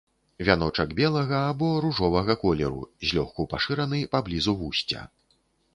Вяночак белага або ружовага колеру, злёгку пашыраны паблізу вусця.